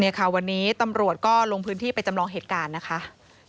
ค่ะวันนี้ตำรวจก็ลงพื้นที่ไปจำลองเหตุการณ์นะคะ